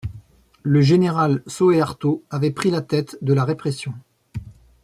Le général Soeharto avait pris la tête de la répression.